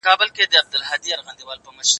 زه هره ورځ د سبا لپاره د يادښتونه بشپړوم..